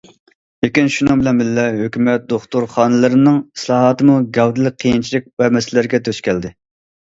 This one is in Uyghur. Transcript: لېكىن شۇنىڭ بىلەن بىللە، ھۆكۈمەت دوختۇرخانىلىرىنىڭ ئىسلاھاتىمۇ گەۋدىلىك قىيىنچىلىق ۋە مەسىلىلەرگە دۇچ كەلدى.